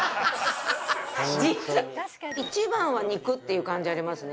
１番は「肉」っていう漢字ありますね。